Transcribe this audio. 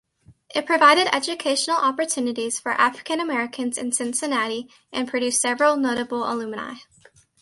It provided educational opportunities for African Americans in Cincinnati and produced several notable alumni.